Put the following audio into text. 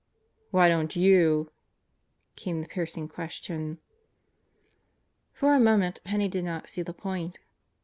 ." "Why don't you?" came the piercing question. For a moment Penney did not see the point.